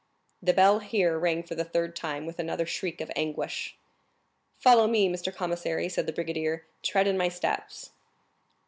The bell here rang for the third time, with another shriek of anguish. "Follow me, Mr. Commissary!" said the brigadier; "tread in my steps."